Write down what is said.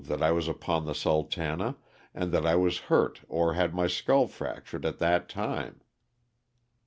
that I was upon the " Sultana" and that I was hurt or had my skull fractured at that time.